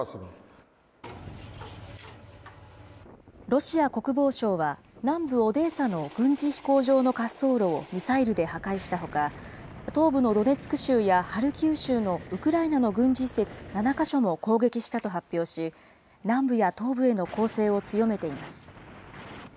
ロシア国防省は、南部オデーサの軍事飛行場の滑走路をミサイルで破壊したほか、東部のドネツク州やハルキウ州のウクライナの軍事施設７か所も攻撃したと発表し、南部や東部への攻勢を強めています。